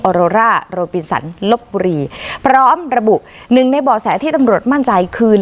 โรร่าโรปินสันลบบุรีพร้อมระบุหนึ่งในบ่อแสที่ตำรวจมั่นใจคือ